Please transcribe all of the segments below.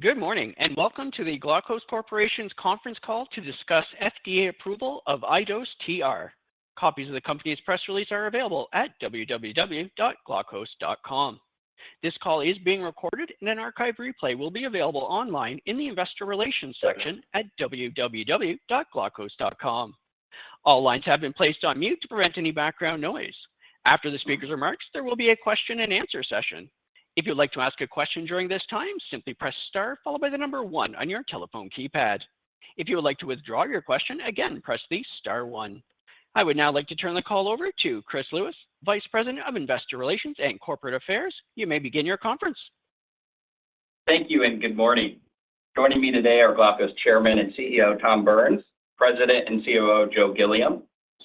Good morning, and welcome to the Glaukos Corporation's conference call to discuss FDA approval of iDose TR. Copies of the company's press release are available at www.glaukos.com. This call is being recorded and an archive replay will be available online in the Investor Relations section at www.glaukos.com. All lines have been placed on mute to prevent any background noise. After the speaker's remarks, there will be a question-and-answer session. If you'd like to ask a question during this time, simply press star followed by the number one on your telephone keypad. If you would like to withdraw your question again, press the star one. I would now like to turn the call over to Chris Lewis, Vice President of Investor Relations and Corporate Affairs. You may begin your conference. Thank you and good morning. Joining me today are Glaukos's Chairman and CEO, Tom Burns, President and COO, Joe Gilliam,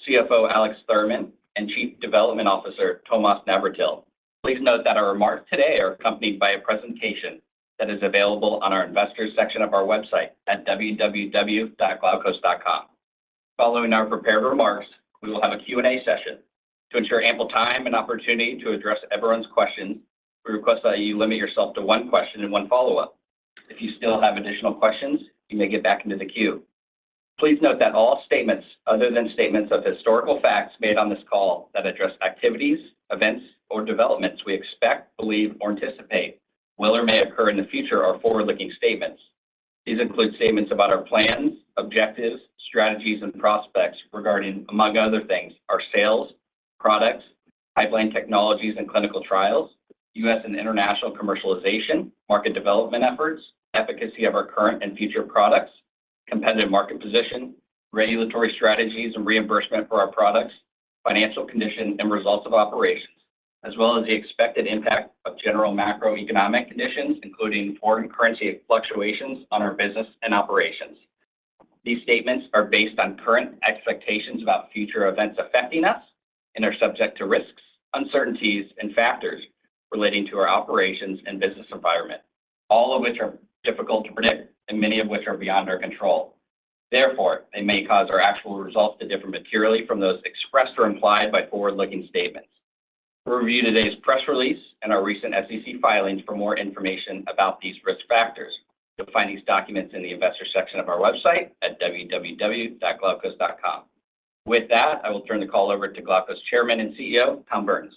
CFO, Alex Thurman, and Chief Development Officer, Tomas Navratil. Please note that our remarks today are accompanied by a presentation that is available on our investors section of our website at www.glaukos.com. Following our prepared remarks, we will have a Q&A session. To ensure ample time and opportunity to address everyone's questions, we request that you limit yourself to one question and one follow-up. If you still have additional questions, you may get back into the queue. Please note that all statements other than statements of historical facts made on this call that address activities, events, or developments we expect, believe, or anticipate will or may occur in the future are forward-looking statements. These include statements about our plans, objectives, strategies, and prospects regarding, among other things, our sales, products, pipeline technologies and clinical trials, U.S. and international commercialization, market development efforts, efficacy of our current and future products, competitive market position, regulatory strategies and reimbursement for our products, financial condition and results of operations, as well as the expected impact of general macroeconomic conditions, including foreign currency fluctuations on our business and operations. These statements are based on current expectations about future events affecting us and are subject to risks, uncertainties, and factors relating to our operations and business environment, all of which are difficult to predict and many of which are beyond our control. Therefore, they may cause our actual results to differ materially from those expressed or implied by forward-looking statements. We review today's press release and our recent SEC filings for more information about these risk factors. You'll find these documents in the investor section of our website at www.glaukos.com. With that, I will turn the call over to Glaukos's Chairman and CEO, Tom Burns.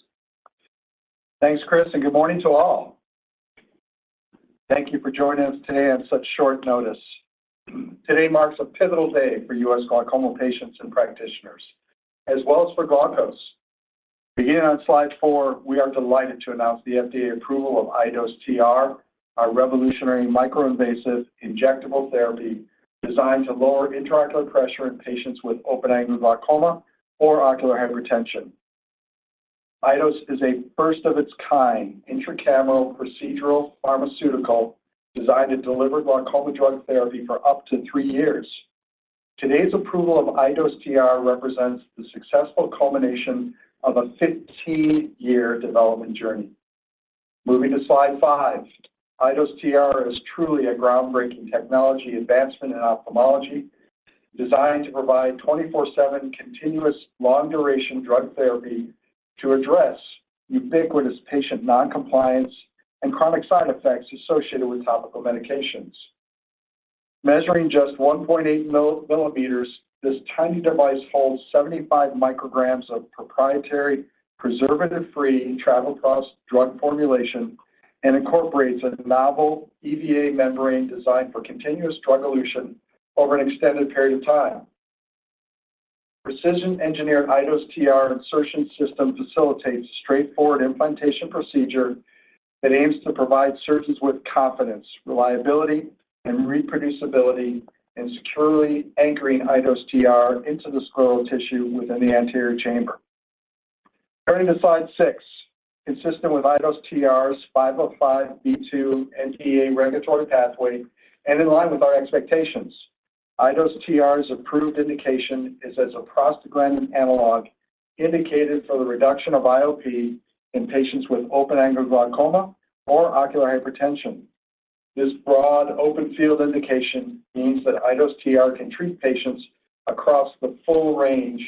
Thanks, Chris, and good morning to all. Thank you for joining us today on such short notice. Today marks a pivotal day for U.S. glaucoma patients and practitioners, as well as for Glaukos. Beginning on slide four, we are delighted to announce the FDA approval of iDose TR, our revolutionary micro-invasive injectable therapy designed to lower intraocular pressure in patients with open-angle glaucoma or ocular hypertension. iDose is a first-of-its-kind intracameral procedural pharmaceutical designed to deliver glaucoma drug therapy for up to three years. Today's approval of iDose TR represents the successful culmination of a 15-year development journey. Moving to slide five, iDose TR is truly a groundbreaking technology advancement in ophthalmology, designed to provide 24/7 continuous long-duration drug therapy to address ubiquitous patient non-compliance and chronic side effects associated with topical medications. Measuring just 1.8 millimeters, this tiny device holds 75 micrograms of proprietary, preservative-free travoprost drug formulation and incorporates a novel EVA membrane designed for continuous drug elution over an extended period of time. Precision engineered iDose TR insertion system facilitates straightforward implantation procedure that aims to provide surgeons with confidence, reliability, and reproducibility in securely anchoring iDose TR into the scleral tissue within the anterior chamber. Turning to slide six, consistent with iDose TR's 505(b)(2) NDA regulatory pathway and in line with our expectations, iDose TR's approved indication is as a prostaglandin analog indicated for the reduction of IOP in patients with open-angle glaucoma or ocular hypertension. This broad open field indication means that iDose TR can treat patients across the full range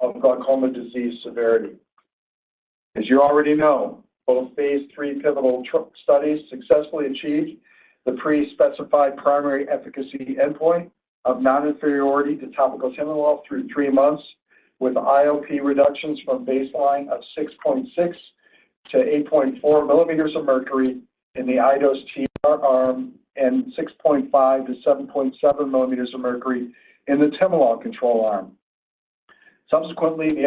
of glaucoma disease severity. As you already know, both Phase 3 pivotal studies successfully achieved the pre-specified primary efficacy endpoint of non-inferiority to topical timolol through three months, with IOP reductions from baseline of 6.6-8.4 millimeters of mercury in the iDose TR arm and 6.5-7.7 millimeters of mercury in the timolol control arm. Subsequently, the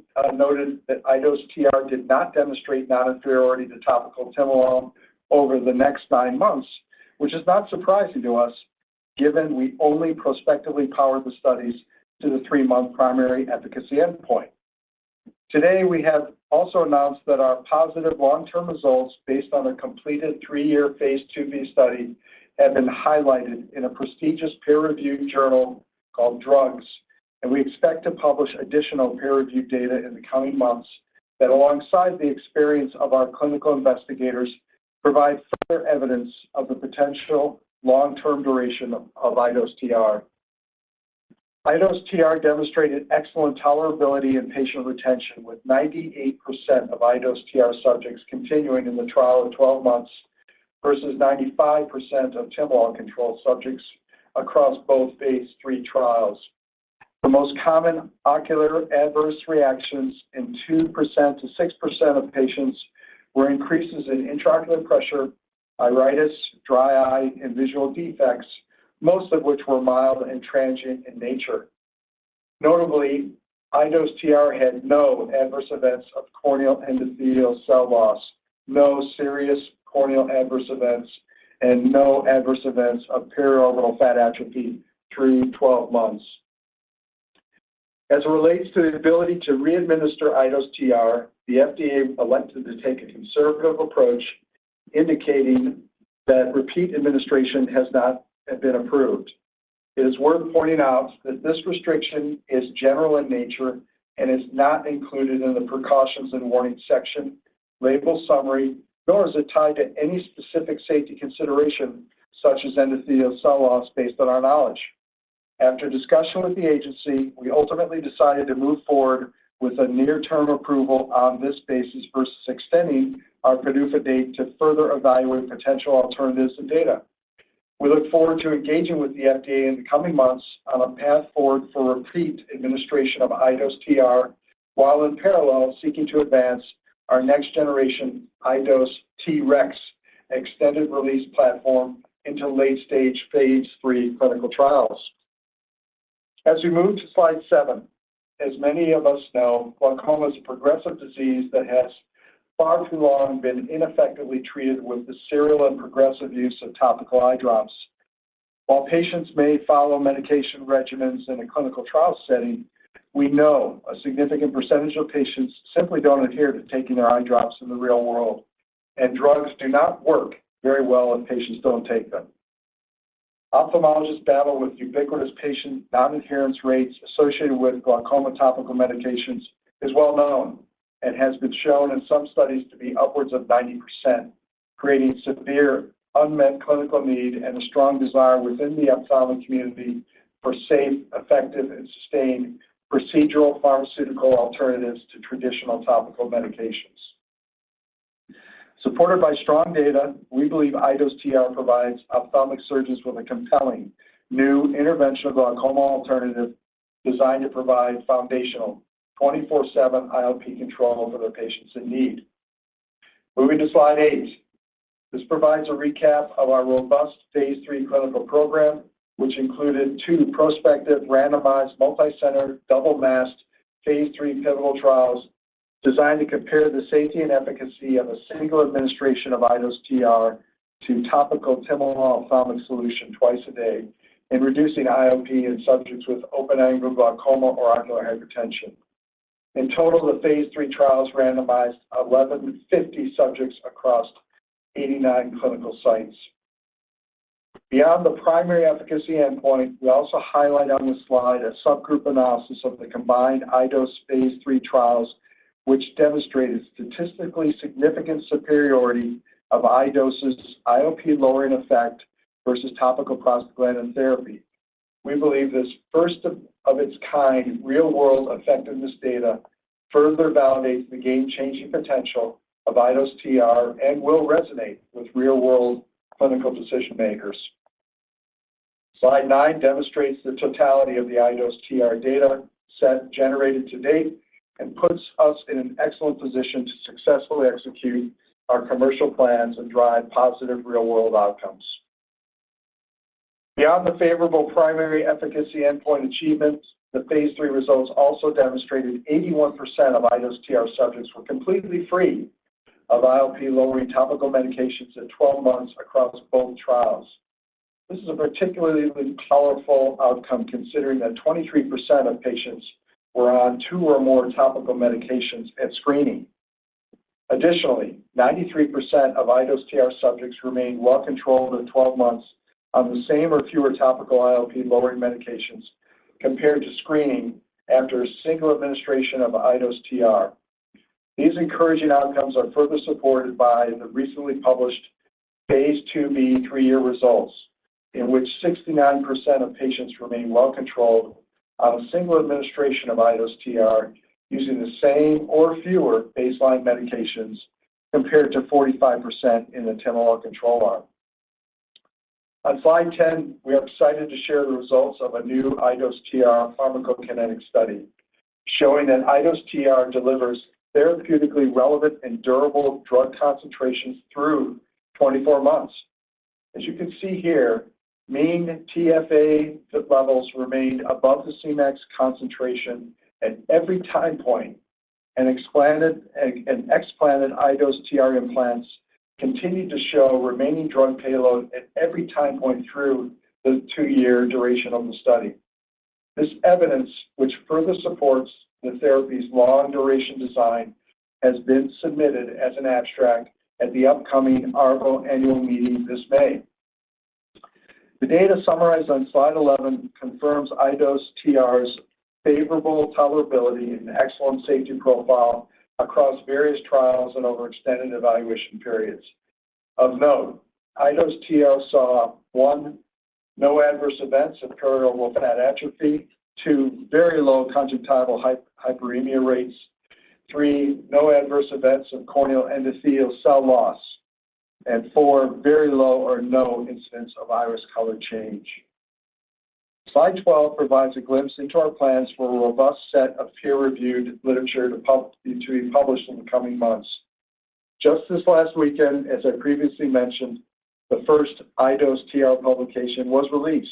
FDA noted that iDose TR did not demonstrate non-inferiority to topical timolol over the next nine months, which is not surprising to us, given we only prospectively powered the studies to the three-month primary efficacy endpoint. Today, we have also announced that our positive long-term results, based on a completed three-year Phase 2b study, have been highlighted in a prestigious peer-reviewed journal called Drugs, and we expect to publish additional peer-reviewed data in the coming months that, alongside the experience of our clinical investigators, provide further evidence of the potential long-term duration of iDose TR. iDose TR demonstrated excellent tolerability and patient retention, with 98% of iDose TR subjects continuing in the trial of 12 months, versus 95% of timolol control subjects across both Phase 3 trials. The most common ocular adverse reactions in 2%-6% of patients were increases in intraocular pressure, iritis, dry eye, and visual defects, most of which were mild and transient in nature. Notably, iDose TR had no adverse events of corneal endothelial cell loss, no serious corneal adverse events, and no adverse events of periorbital fat atrophy through 12 months. As it relates to the ability to re-administer iDose TR, the FDA elected to take a conservative approach, indicating that repeat administration has not had been approved. It is worth pointing out that this restriction is general in nature and is not included in the precautions and warning section, label summary, nor is it tied to any specific safety consideration, such as endothelial cell loss, based on our knowledge. After discussion with the agency, we ultimately decided to move forward with a near-term approval on this basis versus extending our PDUFA date to further evaluate potential alternatives and data. We look forward to engaging with the FDA in the coming months on a path forward for repeat administration of iDose TR, while in parallel, seeking to advance our next generation iDose TREX extended-release platform into late-stage Phase 3 clinical trials. As we move to slide seven, as many of us know, glaucoma is a progressive disease that has far too long been ineffectively treated with the serial and progressive use of topical eye drops. While patients may follow medication regimens in a clinical trial setting, we know a significant percentage of patients simply don't adhere to taking their eye drops in the real world, and drugs do not work very well if patients don't take them. Ophthalmologists battle with ubiquitous patient non-adherence rates associated with glaucoma topical medications is well known and has been shown in some studies to be upwards of 90%, creating severe unmet clinical need and a strong desire within the ophthalmic community for safe, effective, and sustained procedural pharmaceutical alternatives to traditional topical medications. Supported by strong data, we believe iDose TR provides ophthalmic surgeons with a compelling new intervention glaucoma alternative designed to provide foundational 24/7 IOP control for their patients in need. Moving to slide eight. This provides a recap of our robust Phase 3 clinical program, which included two prospective, randomized, multicenter, double-masked Phase 3 pivotal trials designed to compare the safety and efficacy of a single administration of iDose TR to topical timolol ophthalmic solution twice a day in reducing IOP in subjects with open-angle glaucoma or ocular hypertension. In total, the Phase 3 trials randomized 1,150 subjects across 89 clinical sites. Beyond the primary efficacy endpoint, we also highlight on this slide a subgroup analysis of the combined iDose Phase 3 trials, which demonstrated statistically significant superiority of iDose's IOP lowering effect versus topical prostaglandin therapy. We believe this first of its kind, real-world effectiveness data further validates the game-changing potential of iDose TR and will resonate with real-world clinical decision makers. Slide nine demonstrates the totality of the iDose TR data set generated to date and puts us in an excellent position to successfully execute our commercial plans and drive positive real-world outcomes. Beyond the favorable primary efficacy endpoint achievements, the Phase 3 results also demonstrated 81% of iDose TR subjects were completely free of IOP lowering topical medications at 12 months across both trials. This is a particularly powerful outcome, considering that 23% of patients were on two or more topical medications at screening. Additionally, 93% of iDose TR subjects remained well controlled in 12 months on the same or fewer topical IOP-lowering medications compared to screening after a single administration of iDose TR. These encouraging outcomes are further supported by the recently published Phase 2b three-year results, in which 69% of patients remained well controlled on a single administration of iDose TR using the same or fewer baseline medications compared to 45% in the timolol control arm. On slide 10, we are excited to share the results of a new iDose TR pharmacokinetic study showing that iDose TR delivers therapeutically relevant and durable drug concentrations through 24 months. As you can see here, mean TFA levels remained above the Cmax concentration at every time point, and explanted iDose TR implants continued to show remaining drug payload at every time point through the two-year duration of the study. This evidence, which further supports the therapy's long duration design, has been submitted as an abstract at the upcoming ARVO Annual Meeting this May. The data summarized on slide 11 confirms iDose TR's favorable tolerability and excellent safety profile across various trials and over extended evaluation periods. Of note, iDose TR saw one, no adverse events of periorbital fat atrophy. Two, very low conjunctival hyperemia rates. Three, no adverse events of corneal endothelial cell loss. And four, very low or no incidence of iris color change. Slide 12 provides a glimpse into our plans for a robust set of peer-reviewed literature to be published in the coming months. Just this last weekend, as I previously mentioned, the first iDose TR publication was released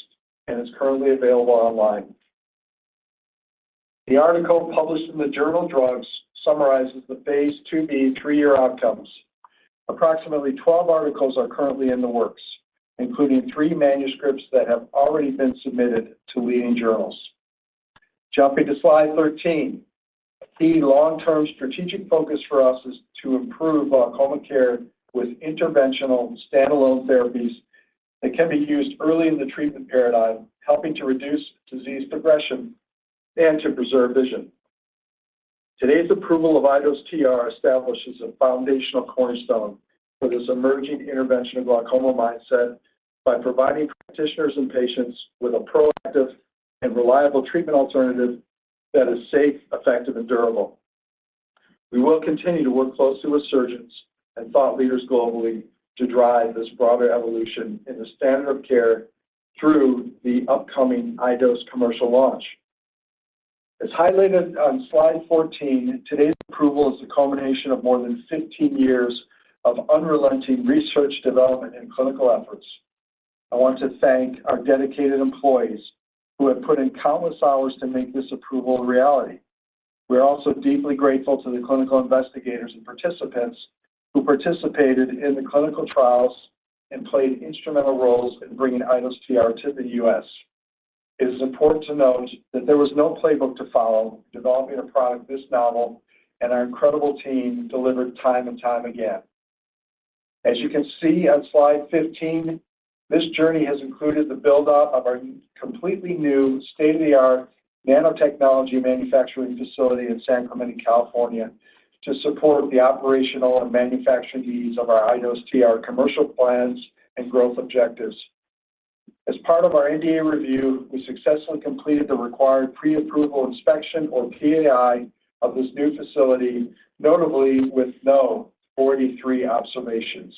and is currently available online. The article, published in the journal Drugs, summarizes the Phase 2b three-year outcomes. Approximately 12 articles are currently in the works, including three manuscripts that have already been submitted to leading journals. Jumping to slide 13. The long-term strategic focus for us is to improve glaucoma care with interventional standalone therapies that can be used early in the treatment paradigm, helping to reduce disease progression and to preserve vision. Today's approval of iDose TR establishes a foundational cornerstone for this emerging intervention of glaucoma mindset by providing practitioners and patients with a proactive and reliable treatment alternative that is safe, effective, and durable. We will continue to work closely with surgeons and thought leaders globally to drive this broader evolution in the standard of care through the upcoming iDose commercial launch. As highlighted on slide 14, today's approval is the culmination of more than 15 years of unrelenting research, development, and clinical efforts. I want to thank our dedicated employees, who have put in countless hours to make this approval a reality. We are also deeply grateful to the clinical investigators and participants who participated in the clinical trials and played instrumental roles in bringing iDose TR to the U.S. It is important to note that there was no playbook to follow developing a product this novel, and our incredible team delivered time and time again. As you can see on slide 15, this journey has included the build-up of our completely new state-of-the-art nanotechnology manufacturing facility in San Clemente, California, to support the operational and manufacturing needs of our iDose TR commercial plans and growth objectives. As part of our NDA review, we successfully completed the required pre-approval inspection, or PAI, of this new facility, notably with no 483 observations.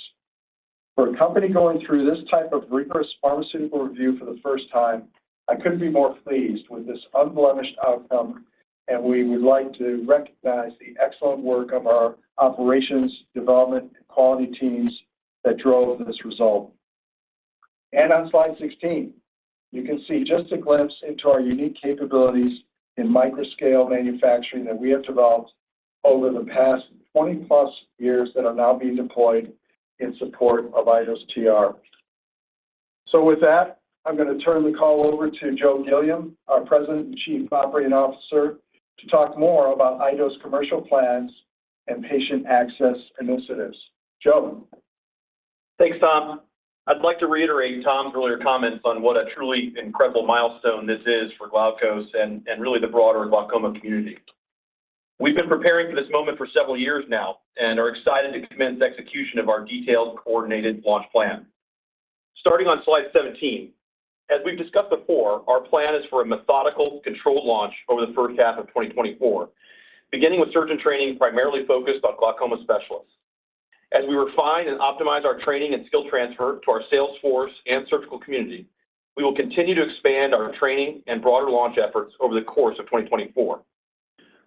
For a company going through this type of rigorous pharmaceutical review for the first time, I couldn't be more pleased with this unblemished outcome, and we would like to recognize the excellent work of our operations, development, and quality teams that drove this result. On slide 16, you can see just a glimpse into our unique capabilities in micro-scale manufacturing that we have developed over the past 20+ years that are now being deployed in support of iDose TR. So with that, I'm going to turn the call over to Joe Gilliam, our President and Chief Operating Officer, to talk more about iDose commercial plans and patient access initiatives. Joe? Thanks, Tom. I'd like to reiterate Tom's earlier comments on what a truly incredible milestone this is for Glaukos and, and really the broader glaucoma community. We've been preparing for this moment for several years now and are excited to commence execution of our detailed, coordinated launch plan. Starting on slide 17, as we've discussed before, our plan is for a methodical, controlled launch over the third half of 2024, beginning with surgeon training, primarily focused on glaucoma specialists. As we refine and optimize our training and skill transfer to our sales force and surgical community, we will continue to expand our training and broader launch efforts over the course of 2024.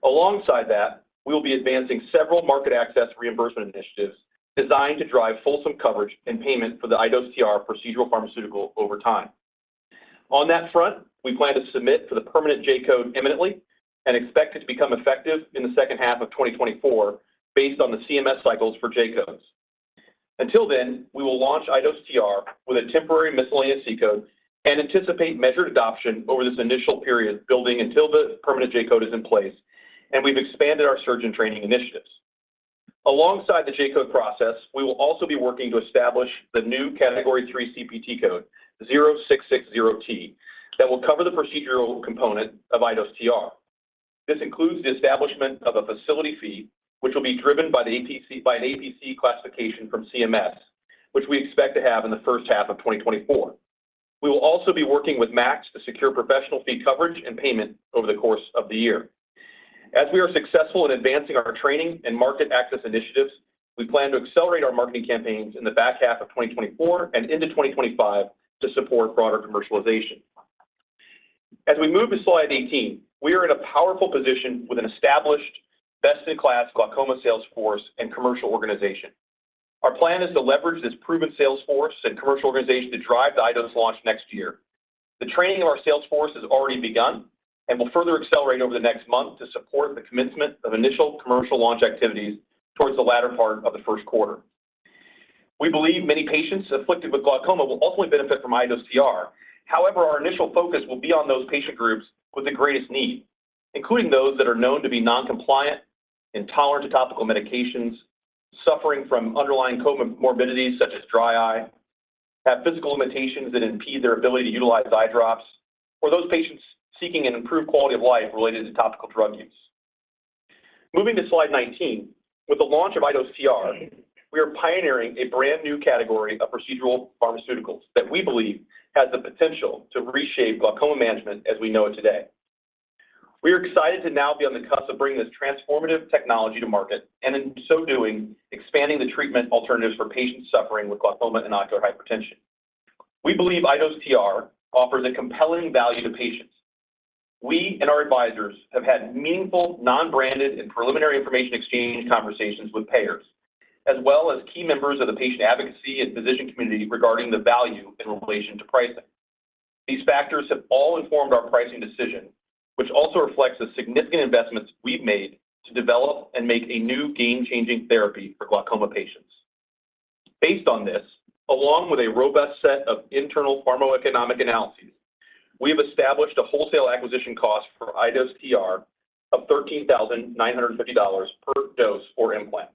Alongside that, we will be advancing several market access reimbursement initiatives designed to drive fulsome coverage and payment for the iDose TR procedural pharmaceutical over time. On that front, we plan to submit for the permanent J-code imminently and expect it to become effective in the second half of 2024 based on the CMS cycles for J-code. Until then, we will launch iDose TR with a temporary miscellaneous C-code and anticipate measured adoption over this initial period, building until the permanent J-code is in place, and we've expanded our surgeon training initiatives. Alongside the J-code process, we will also be working to establish the new Category III CPT code, 0660T, that will cover the procedural component of iDose TR. This includes the establishment of a facility fee, which will be driven by an APC classification from CMS, which we expect to have in the first half of 2024. We will also be working with MACs to secure professional fee coverage and payment over the course of the year. As we are successful in advancing our training and market access initiatives, we plan to accelerate our marketing campaigns in the back half of 2024 and into 2025 to support broader commercialization. As we move to slide 18, we are in a powerful position with an established, best-in-class glaucoma sales force and commercial organization. Our plan is to leverage this proven sales force and commercial organization to drive the iDose launch next year. The training of our sales force has already begun and will further accelerate over the next month to support the commencement of initial commercial launch activities towards the latter part of the first quarter. We believe many patients afflicted with glaucoma will ultimately benefit from iDose TR. However, our initial focus will be on those patient groups with the greatest need, including those that are known to be non-compliant, intolerant to topical medications, suffering from underlying comorbidities such as dry eye, have physical limitations that impede their ability to utilize eye drops, or those patients seeking an improved quality of life related to topical drug use. Moving to slide 19. With the launch of iDose TR, we are pioneering a brand new category of procedural pharmaceuticals that we believe has the potential to reshape glaucoma management as we know it today. We are excited to now be on the cusp of bringing this transformative technology to market, and in so doing, expanding the treatment alternatives for patients suffering with glaucoma and ocular hypertension. We believe iDose TR offers a compelling value to patients. We and our advisors have had meaningful, non-branded, and preliminary information exchange conversations with payers, as well as key members of the patient advocacy and physician community regarding the value in relation to pricing. These factors have all informed our pricing decision, which also reflects the significant investments we've made to develop and make a new game-changing therapy for glaucoma patients. Based on this, along with a robust set of internal pharmacoeconomic analyses, we have established a wholesale acquisition cost for iDose TR of $13,950 per dose or implant.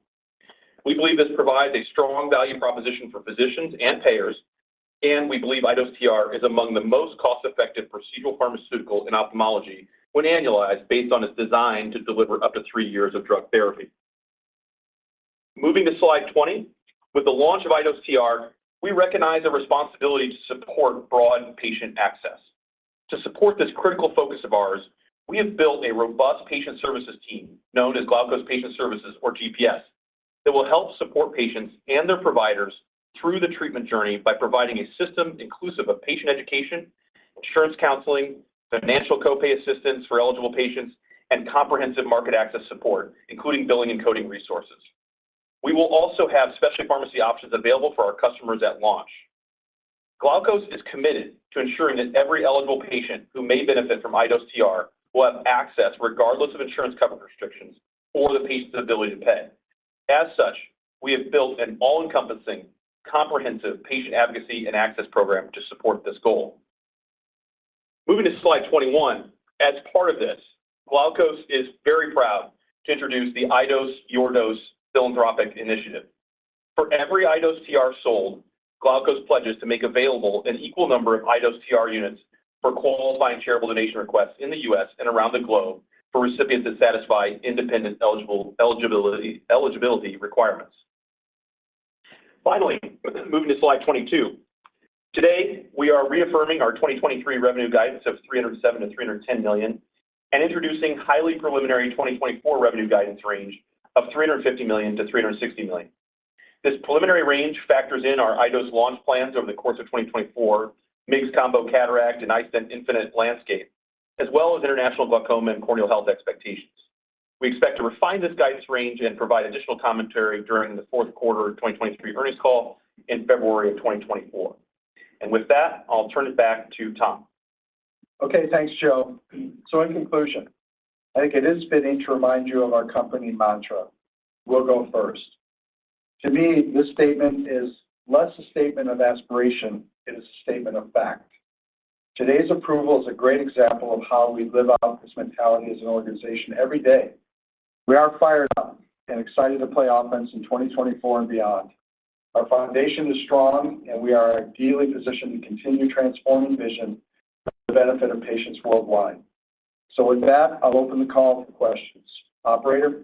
We believe this provides a strong value proposition for physicians and payers, and we believe iDose TR is among the most cost-effective procedural pharmaceuticals in ophthalmology when annualized, based on its design to deliver up to three years of drug therapy. Moving to slide 20. With the launch of iDose TR, we recognize a responsibility to support broad patient access. To support this critical focus of ours, we have built a robust patient services team known as Glaukos Patient Services or GPS, that will help support patients and their providers through the treatment journey by providing a system inclusive of patient education, insurance counseling, financial co-pay assistance for eligible patients, and comprehensive market access support, including billing and coding resources. We will also have specialty pharmacy options available for our customers at launch. Glaukos is committed to ensuring that every eligible patient who may benefit from iDose TR will have access, regardless of insurance coverage restrictions or the patient's ability to pay. As such, we have built an all-encompassing, comprehensive patient advocacy and access program to support this goal. Moving to slide 21. As part of this, Glaukos is very proud to introduce the iDose Your Dose philanthropic initiative. For every iDose TR sold, Glaukos pledges to make available an equal number of iDose TR units for qualifying charitable donation requests in the U.S. and around the globe for recipients that satisfy independent eligibility requirements. Finally, moving to slide 22. Today, we are reaffirming our 2023 revenue guidance of $307 million-$310 million, and introducing highly preliminary 2024 revenue guidance range of $350 million-$360 million. This preliminary range factors in our iDose launch plans over the course of 2024, MIGS-combo, cataract, and iStent infinite landscape, as well as International Glaucoma and Corneal Health expectations. We expect to refine this guidance range and provide additional commentary during the fourth quarter of 2023 earnings call in February of 2024. With that, I'll turn it back to Tom. Okay, thanks, Joe. In conclusion, I think it is fitting to remind you of our company mantra: "We'll go first." To me, this statement is less a statement of aspiration. It is a statement of fact. Today's approval is a great example of how we live out this mentality as an organization every day. We are fired up and excited to play offense in 2024 and beyond. Our foundation is strong, and we are ideally positioned to continue transforming vision for the benefit of patients worldwide. With that, I'll open the call for questions. Operator?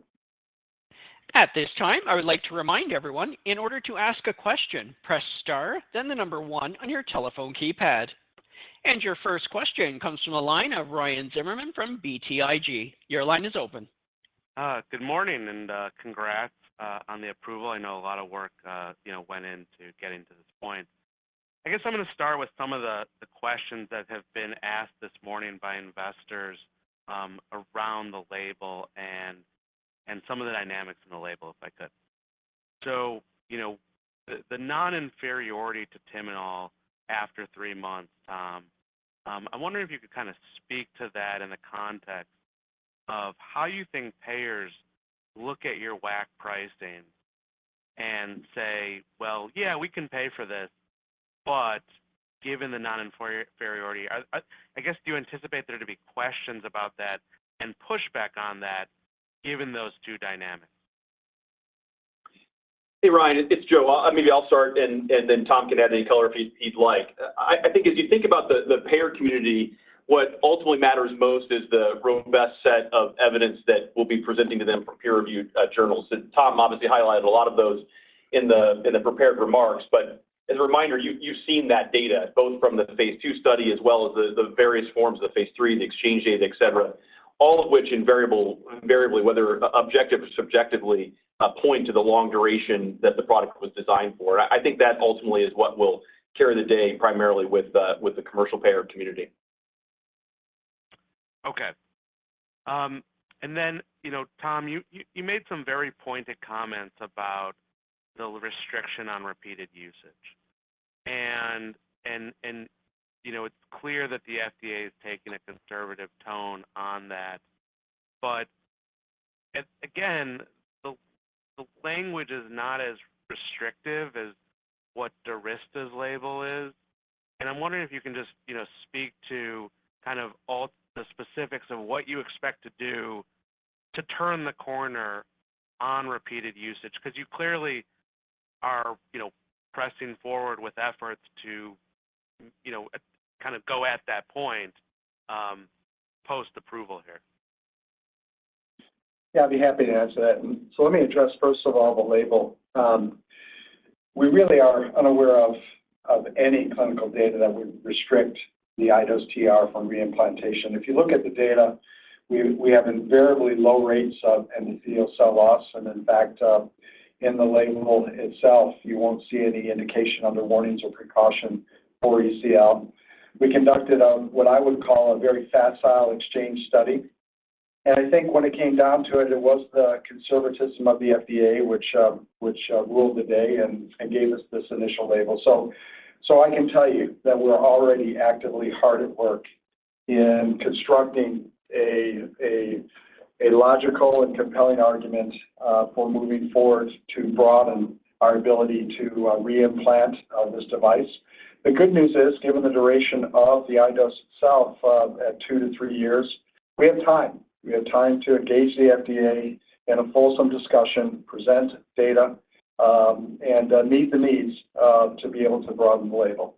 At this time, I would like to remind everyone in order to ask a question, press star, then the number one on your telephone keypad. Your first question comes from the line of Ryan Zimmerman from BTIG. Your line is open. Good morning, and congrats on the approval. I know a lot of work, you know, went into getting to this point. I guess I'm going to start with some of the questions that have been asked this morning by investors around the label and some of the dynamics in the label, if I could. So, you know, the non-inferiority to timolol after three months, I wonder if you could kind of speak to that in the context of how you think payers look at your WAC pricing and say, "Well, yeah, we can pay for this," but given the non-inferiority, I guess, do you anticipate there to be questions about that and pushback on that, given those two dynamics? Hey, Ryan, it's Joe. Maybe I'll start and then Tom can add any color if he'd like. I think as you think about the payer community, what ultimately matters most is the robust set of evidence that we'll be presenting to them for peer-reviewed journals. And Tom obviously highlighted a lot of those in the prepared remarks. But as a reminder, you've seen that data both from the Phase 2 study as well as the various forms of Phase 3, the exchange data, et cetera. All of which invariably, whether objective or subjectively, point to the long duration that the product was designed for. I think that ultimately is what will carry the day, primarily with the commercial payer community. Okay. And then, you know, Tom, you made some very pointed comments about the restriction on repeated usage. And you know, it's clear that the FDA is taking a conservative tone on that. But again, the language is not as restrictive as what Durysta's label is. And I'm wondering if you can just, you know, speak to kind of all the specifics of what you expect to do to turn the corner on repeated usage, because you clearly are, you know, pressing forward with efforts to, you know, kind of go at that point, post-approval here? Yeah, I'd be happy to answer that. So let me address, first of all, the label. We really are unaware of any clinical data that would restrict the iDose TR from re-implantation. If you look at the data, we have invariably low rates of endothelial cell loss, and in fact, in the label itself, you won't see any indication under warnings or precautions for ECL. We conducted what I would call a very facile exchange study, and I think when it came down to it, it was the conservatism of the FDA, which ruled the day and gave us this initial label. So I can tell you that we're already actively hard at work in constructing a logical and compelling argument for moving forward to broaden our ability to re-implant this device. The good news is, given the duration of the iDose itself, at two to three years, we have time. We have time to engage the FDA in a fulsome discussion, present data, and meet the needs to be able to broaden the label.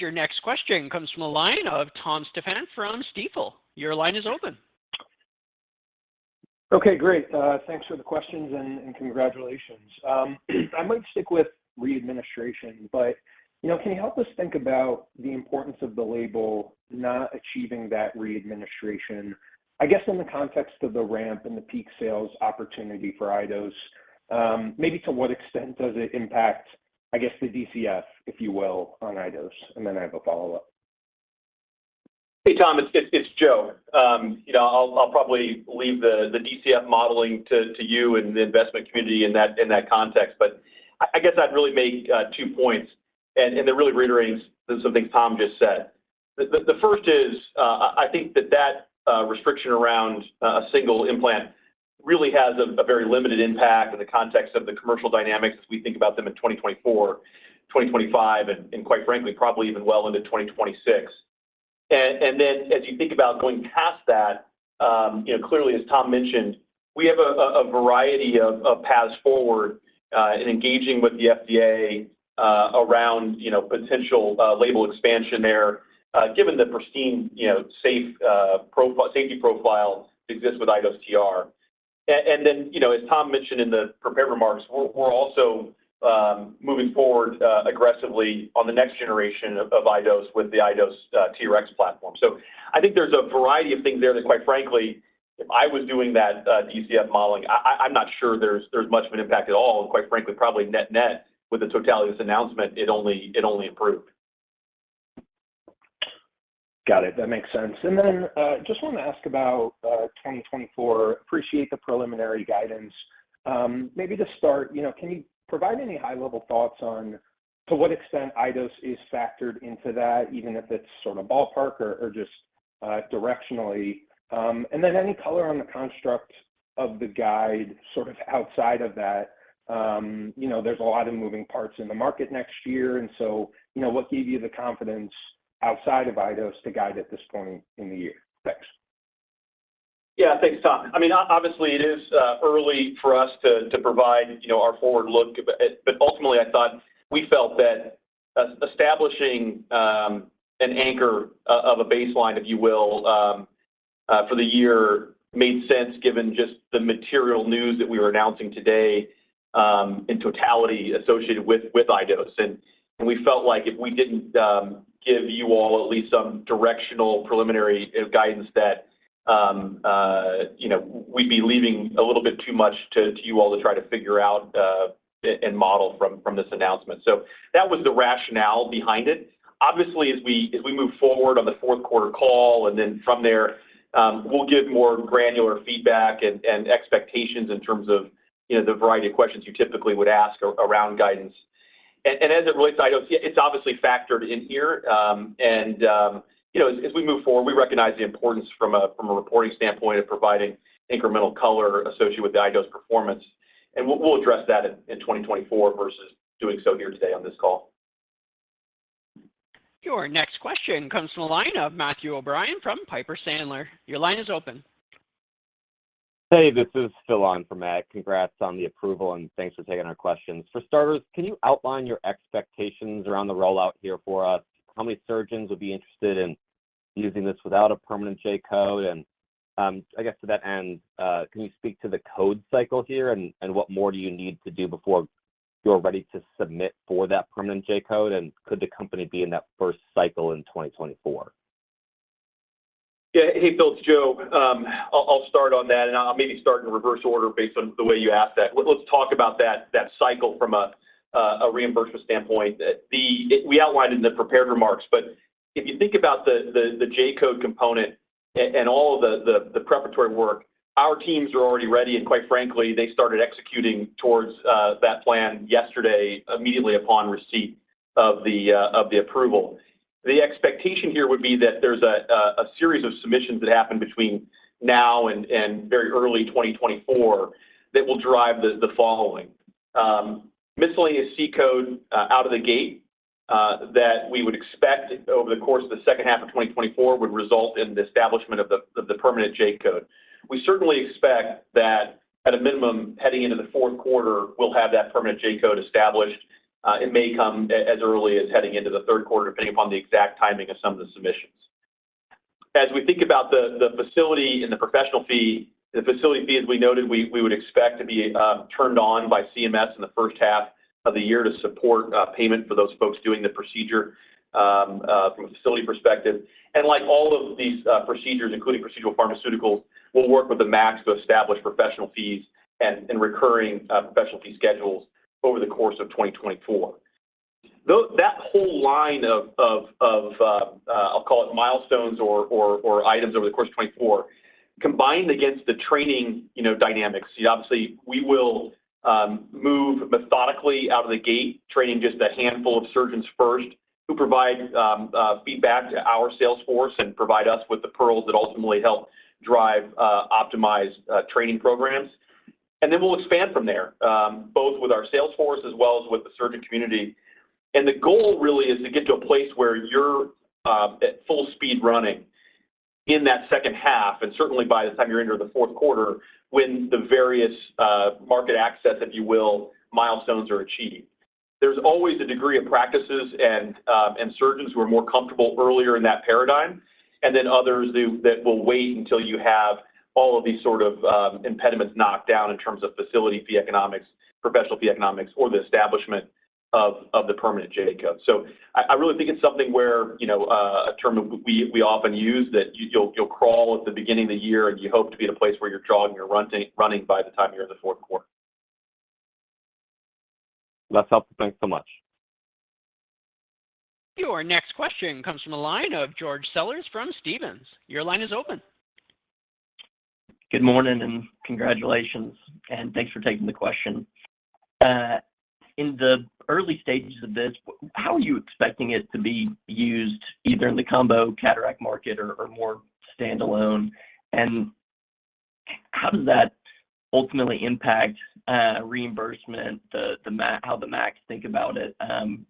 Your next question comes from the line of Tom Stephan from Stifel. Your line is open. Okay, great. Thanks for the questions and congratulations. I might stick with re-administration, but, you know, can you help us think about the importance of the label not achieving that re-administration? I guess, in the context of the ramp and the peak sales opportunity for iDose, maybe to what extent does it impact, I guess, the DCF, if you will, on iDose? And then I have a follow-up. Hey, Tom, it's Joe. You know, I'll probably leave the DCF modeling to you and the investment community in that context. But I guess I'd really make two points, and they're really reiterating some things Tom just said. The first is, I think that restriction around a single implant really has a very limited impact in the context of the commercial dynamics as we think about them in 2024, 2025, and quite frankly, probably even well into 2026. And then as you think about going past that, you know, clearly, as Tom mentioned, we have a variety of paths forward in engaging with the FDA around, you know, potential label expansion there, given the pristine, you know, safety profile that exists with iDose TR. And then, you know, as Tom mentioned in the prepared remarks, we're also moving forward aggressively on the next generation of iDose with the iDose TREX platform. So I think there's a variety of things there that, quite frankly, if I was doing that DCF modeling, I'm not sure there's much of an impact at all, and quite frankly, probably net-net with the totality of this announcement, it only improved. Got it. That makes sense. And then, just want to ask about 2024. Appreciate the preliminary guidance. Maybe just start, you know, can you provide any high-level thoughts on to what extent iDose is factored into that, even if it's sort of ballpark or just directionally? And then any color on the construct of the guide sort of outside of that. You know, there's a lot of moving parts in the market next year, and so, you know, what gave you the confidence outside of iDose to guide at this point in the year? Thanks. Yeah, thanks, Tom. I mean, obviously, it is early for us to provide, you know, our forward look, but ultimately, I thought we felt that establishing an anchor of a baseline, if you will, for the year made sense, given just the material news that we were announcing today, in totality associated with iDose. And we felt like if we didn't give you all at least some directional preliminary guidance that, you know, we'd be leaving a little bit too much to you all to try to figure out and model from this announcement. So that was the rationale behind it. Obviously, as we move forward on the fourth quarter call, and then from there, we'll give more granular feedback and expectations in terms of, you know, the variety of questions you typically would ask around guidance. And as it relates to iDose, it's obviously factored in here. You know, as we move forward, we recognize the importance from a reporting standpoint of providing incremental color associated with the iDose performance, and we'll address that in 2024 versus doing so here today on this call. Your next question comes from the line of Matthew O'Brien from Piper Sandler. Your line is open. Hey, this is Phil on from Matt. Congrats on the approval, and thanks for taking our questions. For starters, can you outline your expectations around the rollout here for us? How many surgeons would be interested in using this without a permanent J-code? And, I guess to that end, can you speak to the code cycle here, and what more do you need to do before you're ready to submit for that permanent J-code? And could the company be in that first cycle in 2024? Yeah. Hey, Phil, it's Joe. I'll start on that, and I'll maybe start in reverse order based on the way you asked that. Let's talk about that cycle from a reimbursement standpoint. We outlined in the prepared remarks, but if you think about the J-code component and all of the preparatory work, our teams are already ready, and quite frankly, they started executing towards that plan yesterday, immediately upon receipt of the approval. The expectation here would be that there's a series of submissions that happen between now and very early 2024 that will drive the following. Miscellaneous C-code out of the gate that we would expect over the course of the second half of 2024 would result in the establishment of the permanent J-code. We certainly expect that at a minimum, heading into the fourth quarter, we'll have that permanent J-code established. It may come as early as heading into the third quarter, depending upon the exact timing of some of the submissions. As we think about the facility and the professional fee, the facility fee, as we noted, we would expect to be turned on by CMS in the first half of the year to support payment for those folks doing the procedure from a facility perspective. And like all of these procedures, including procedural pharmaceuticals, we'll work with the MACs to establish professional fees and recurring professional fee schedules over the course of 2024. That whole line of milestones or items over the course of 2024, combined against the training, you know, dynamics. Obviously, we will move methodically out of the gate, training just a handful of surgeons first, who provide feedback to our sales force and provide us with the pearls that ultimately help drive optimized training programs. And then we'll expand from there, both with our sales force as well as with the surgeon community. The goal really is to get to a place where you're at full speed running in that second half, and certainly by the time you're into the fourth quarter, when the various market access, if you will, milestones are achieved. There's always a degree of practices and surgeons who are more comfortable earlier in that paradigm, and then others that will wait until you have all of these sort of impediments knocked down in terms of facility fee economics, professional fee economics, or the establishment of the permanent J-code. So I really think it's something where, you know, a term that we often use that you'll crawl at the beginning of the year, and you hope to be in a place where you're jogging, you're running by the time you're in the fourth quarter. That's helpful. Thanks so much. Your next question comes from the line of George Sellers from Stephens. Your line is open. Good morning, and congratulations, and thanks for taking the question. In the early stages of this, how are you expecting it to be used either in the combo cataract market or more standalone? And how does that ultimately impact reimbursement, the MAC, how the MACs think about it, and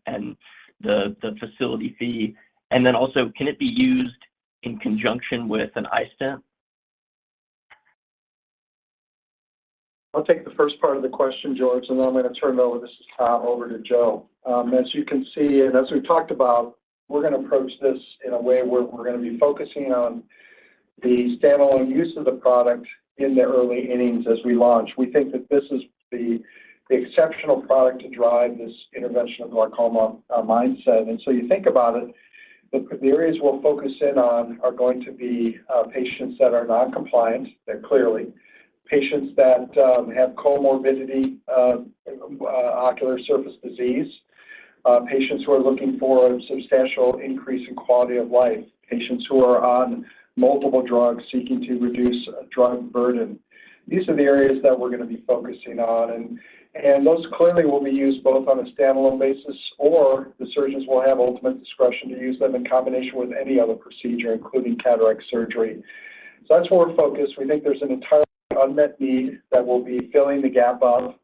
the facility fee? And then also, can it be used in conjunction with an iStent? I'll take the first part of the question, George, and then I'm going to turn it over. This is Tom, over to Joe. As you can see, and as we've talked about, we're going to approach this in a way where we're going to be focusing on the standalone use of the product in the early innings as we launch. We think that this is the exceptional product to drive this interventional glaucoma mindset. And so you think about it, the areas we'll focus in on are going to be patients that are non-compliant, clearly patients that have comorbidity, ocular surface disease, patients who are looking for a substantial increase in quality of life, patients who are on multiple drugs seeking to reduce drug burden. These are the areas that we're going to be focusing on, and those clearly will be used both on a standalone basis, or the surgeons will have ultimate discretion to use them in combination with any other procedure, including cataract surgery. So that's where we're focused. We think there's an entirely unmet need that we'll be filling the gap of.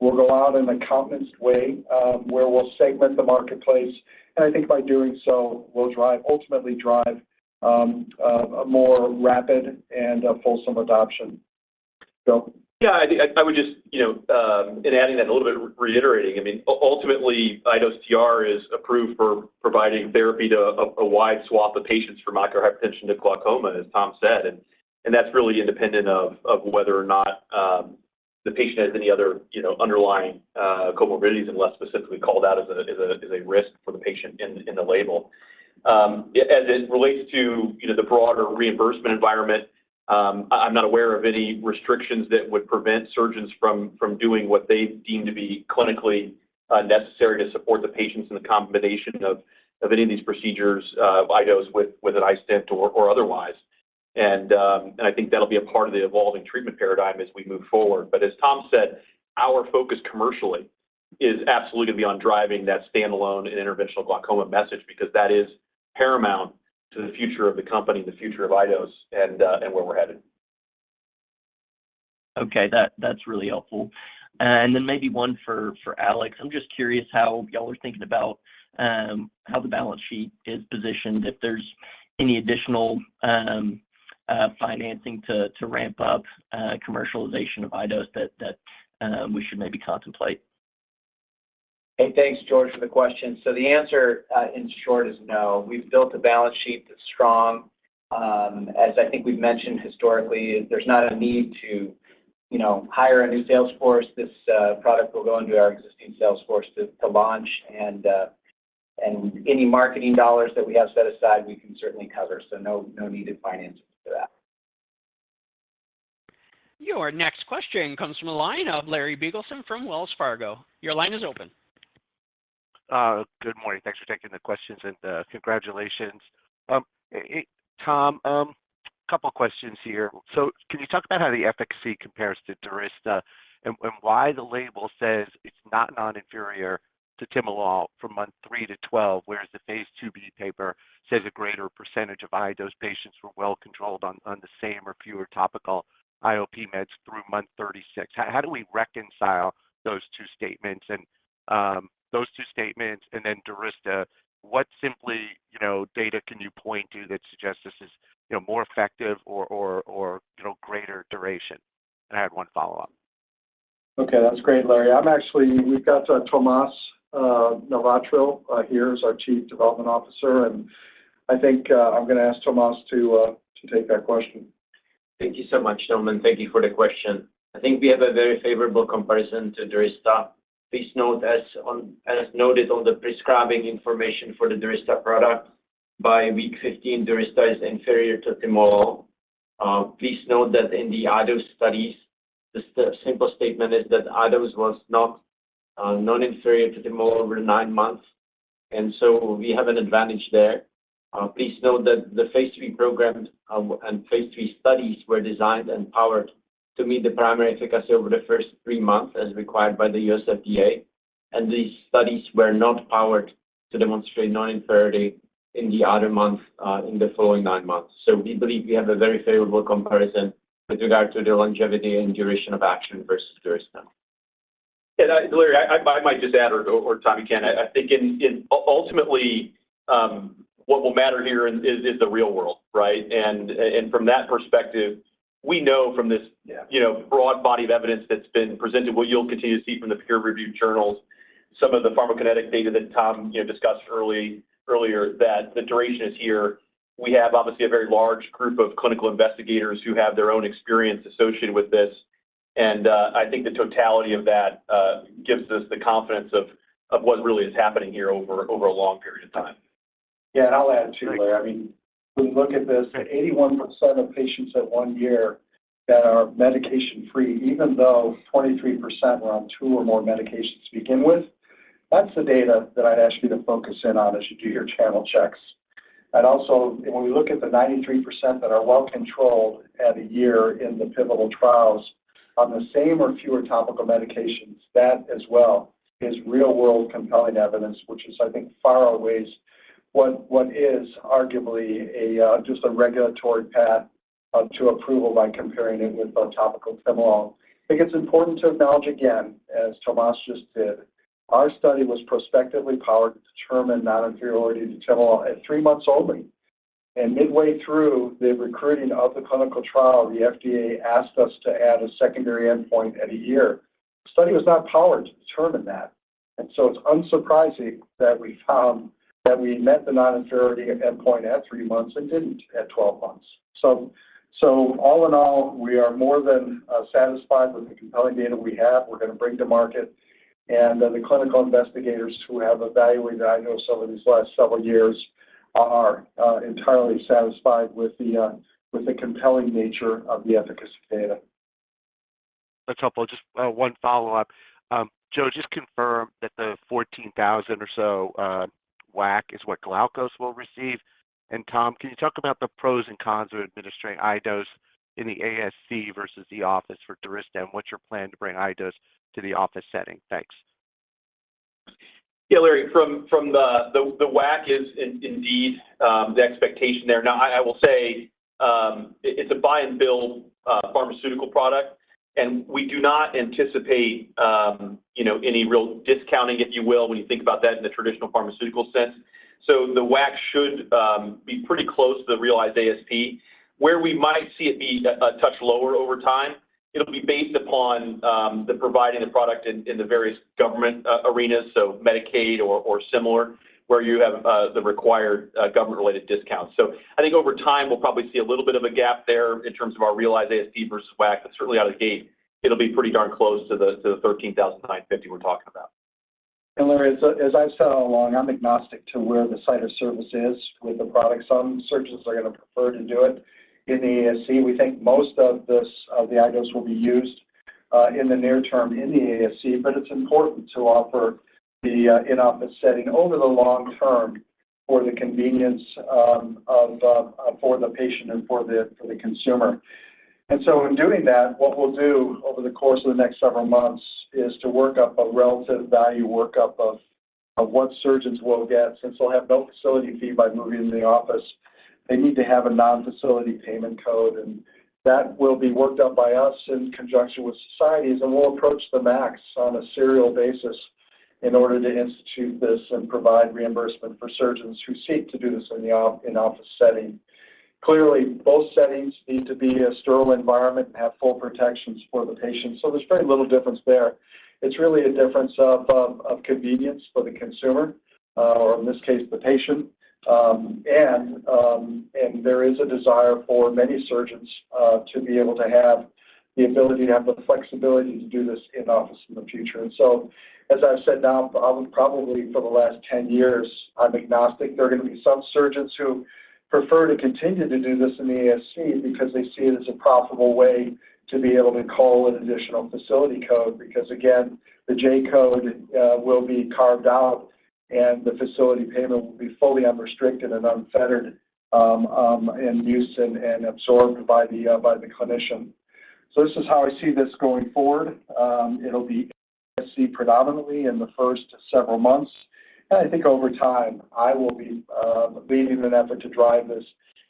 We'll go out in a confident way, where we'll segment the marketplace, and I think by doing so, we'll drive, ultimately drive, a more rapid and a fulsome adoption. Joe? Yeah, I think I would just, you know, in adding that a little bit, reiterating, I mean, ultimately, iDose TR is approved for providing therapy to a wide swath of patients for ocular hypertension to glaucoma, as Tom said. And that's really independent of whether or not the patient has any other, you know, underlying comorbidities, unless specifically called out as a risk for the patient in the label. As it relates to, you know, the broader reimbursement environment, I'm not aware of any restrictions that would prevent surgeons from doing what they deem to be clinically necessary to support the patients in the combination of any of these procedures, iDose with an iStent or otherwise. I think that'll be a part of the evolving treatment paradigm as we move forward. But as Tom said, our focus commercially is absolutely on driving that standalone and interventional glaucoma message, because that is paramount to the future of the company, the future of iDose, and where we're headed. Okay, that's really helpful. And then maybe one for Alex. I'm just curious how y'all are thinking about how the balance sheet is positioned, if there's any additional financing to ramp up commercialization of iDose that we should maybe contemplate. Hey, thanks, George, for the question. So the answer, in short is no. We've built a balance sheet that's strong. As I think we've mentioned historically, there's not a need to, you know, hire a new sales force. This, product will go into our existing sales force to, to launch, and, and any marketing dollars that we have set aside, we can certainly cover. So no, no need to finance for that. Your next question comes from a line of Larry Biegelsen from Wells Fargo. Your line is open. Good morning. Thanks for taking the questions, and congratulations. Hey, Tom, a couple questions here. So can you talk about how the efficacy compares to Durysta and why the label says it's not non-inferior to timolol from month three to 12, whereas the Phase 2b paper says a greater percentage of iDose patients were well controlled on the same or fewer topical IOP meds through month 36. How do we reconcile those two statements? And then Durysta, what simple, you know, data can you point to that suggests this is, you know, more effective or greater duration? And I have one follow-up. Okay, that's great, Larry. I'm actually we've got Tomas Navratil here as our Chief Development Officer, and I think I'm gonna ask Tomas to take that question. Thank you so much, gentlemen. Thank you for the question. I think we have a very favorable comparison to Durysta. Please note, as noted on the prescribing information for the Durysta product, by week 15, Durysta is inferior to timolol. Please note that in the iDose studies, the simple statement is that iDose was not non-inferior to timolol over nine months, and so we have an advantage there. Please note that the Phase 3 programs and Phase 3 studies were designed and powered to meet the primary efficacy over the first three months, as required by the U.S. FDA. These studies were not powered to demonstrate non-inferiority in the other months in the following nine months. So we believe we have a very favorable comparison with regard to the longevity and duration of action versus Durysta. And I, Larry, might just add or chime in. I think ultimately what will matter here is the real world, right? And from that perspective, we know from this- Yeah ...you know, broad body of evidence that's been presented, what you'll continue to see from the peer review journals, some of the pharmacokinetic data that Tom, you know, discussed earlier, that the duration is here. We have, obviously, a very large group of clinical investigators who have their own experience associated with this, and I think the totality of that gives us the confidence of what really is happening here over a long period of time. Yeah, and I'll add, too, Larry. I mean, when we look at this, 81% of patients at one year that are medication-free, even though 23% were on two or more medications to begin with. That's the data that I'd ask you to focus in on as you do your channel checks. Also, when we look at the 93% that are well controlled at a year in the pivotal trials on the same or fewer topical medications, that as well is real-world compelling evidence, which is, I think, far outweighs what is arguably a just a regulatory path to approval by comparing it with topical timolol. I think it's important to acknowledge, again, as Tomas just did, our study was prospectively powered to determine non-inferiority to timolol at three months only. Midway through the recruiting of the clinical trial, the FDA asked us to add a secondary endpoint at a year. The study was not powered to determine that, and so it's unsurprising that we found that we met the non-inferiority endpoint at three months and didn't at 12 months. So all in all, we are more than satisfied with the compelling data we have, we're gonna bring to market. And the clinical investigators who have evaluated, I know some of these last several years, are entirely satisfied with the compelling nature of the efficacy data. That's helpful. Just one follow-up. Joe, just confirm that the $14,000 or so WAC is what Glaukos will receive? And Tom, can you talk about the pros and cons of administering iDose in the ASC versus the office for Durysta, and what's your plan to bring iDose to the office setting? Thanks. Yeah, Larry, from the WAC is indeed the expectation there. Now, I will say, it's a buy and bill pharmaceutical product, and we do not anticipate, you know, any real discounting, if you will, when you think about that in the traditional pharmaceutical sense. So the WAC should be pretty close to the realized ASP. Where we might see it be a touch lower over time, it'll be based upon the providing the product in the various government arenas, so Medicaid or similar, where you have the required government-related discounts. So I think over time, we'll probably see a little bit of a gap there in terms of our realized ASP versus WAC, but certainly out of the gate, it'll be pretty darn close to the $13,950 we're talking about. And Larry, as I've said all along, I'm agnostic to where the site of service is with the product. Some surgeons are gonna prefer to do it in the ASC. We think most of the iDose will be used in the near term in the ASC, but it's important to offer the in-office setting over the long term for the convenience of for the patient and for the consumer. And so in doing that, what we'll do over the course of the next several months is to work up a relative value workup of what surgeons will get, since they'll have no facility fee by moving into the office. They need to have a non-facility payment code, and that will be worked out by us in conjunction with societies, and we'll approach the MACs on a serial basis in order to institute this and provide reimbursement for surgeons who seek to do this in the in-office setting. Clearly, both settings need to be a sterile environment and have full protections for the patient, so there's very little difference there. It's really a difference of convenience for the consumer, or in this case, the patient. And there is a desire for many surgeons to be able to have the ability to have the flexibility to do this in-office in the future. And so, as I've said now, probably for the last 10 years, I'm agnostic. There are gonna be some surgeons who prefer to continue to do this in the ASC because they see it as a profitable way to be able to call an additional facility code, because again, the J-code will be carved out, and the facility payment will be fully unrestricted and unfettered in use and absorbed by the clinician. So this is how I see this going forward. It'll be predominantly in the first several months, and I think over time, I will be leading an effort to drive this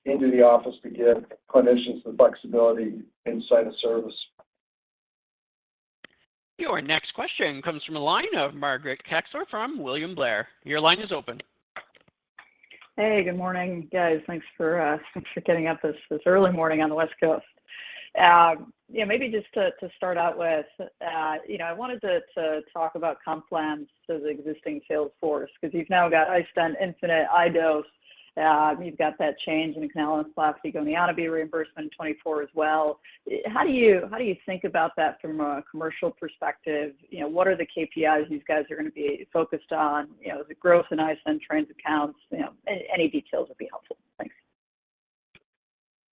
into the office to give clinicians the flexibility inside of service. Your next question comes from the line of Margaret Kaczor from William Blair. Your line is open. Hey, good morning, guys. Thanks for getting up this early morning on the West Coast. Yeah, maybe just to start out with, you know, I wanted to talk about comp plans to the existing sales force, because you've now got iStent infinite, iDose, you've got that change in analysis, going to be reimbursement in 2024 as well. How do you think about that from a commercial perspective? You know, what are the KPIs these guys are going to be focused on? You know, the growth in iStent trained accounts, you know, any details would be helpful.